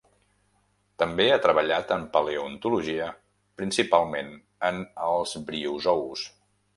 També ha treballat en paleontologia, principalment en els briozous.